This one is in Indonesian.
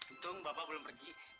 untung bapak belum pergi